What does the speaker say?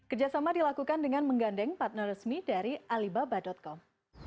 kerjasama dilakukan dengan menggandeng partner resmi dari alibaba com